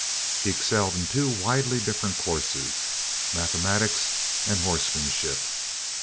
He excelled in two widely different courses mathematics and horsemanship.